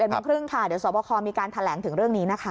โมงครึ่งค่ะเดี๋ยวสวบคอมีการแถลงถึงเรื่องนี้นะคะ